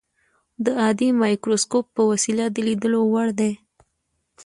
د عادي مایکروسکوپ په وسیله د لیدلو وړ دي.